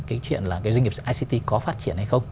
cái chuyện là cái doanh nghiệp ict có phát triển hay không